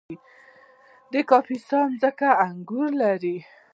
د کاپیسا ځمکې انګور لري